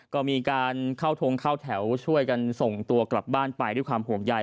ก็มีการเข้าทงเข้าแถวช่วยกันส่งตัวกลับบ้านไปด้วยความห่วงใย